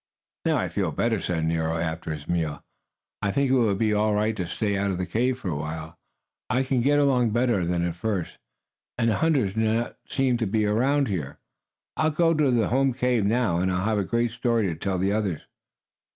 "Now I feel better!" said Nero, after his meal. "I think it will be all right to stay out of the cave for a while. I can get along better than at first, and the hunters do not seem to be around here. I'll go to the home cave now, and I'll have a great story to tell the others."